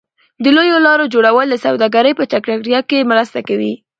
د لویو لارو جوړول د سوداګرۍ په چټکتیا کې مرسته کوي.